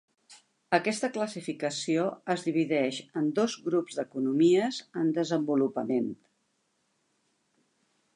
Aquesta classificació es divideix en dos grups d'economies en desenvolupament.